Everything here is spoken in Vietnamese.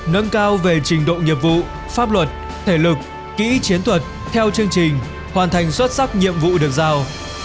nâng cao về trình độ nghiệp vụ pháp luật thể lực kỹ chiến thuật theo chương trình hoàn thành xuất sắc nhiệm vụ được giao